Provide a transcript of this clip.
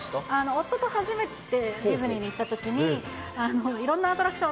夫と初めてディズニーに行ったときに、いろんなアトラクション